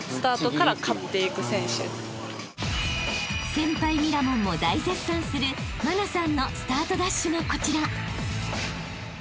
［先輩ミラモンも大絶賛する茉奈さんのスタートダッシュがこちら］